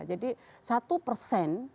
jadi satu persen